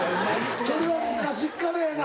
それは昔っからやな。